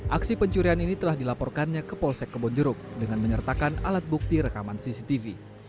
aksi pencurian ini telah dilaporkannya ke polsek kebonjeruk dengan menyertakan alat bukti rekaman cctv